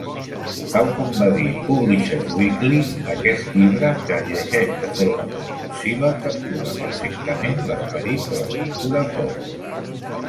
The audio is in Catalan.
Tal com va dir "Publisher's Weekly", "Aquest llibre, que es llegeix de forma compulsiva, captura perfectament l'esperit de la cultura pop".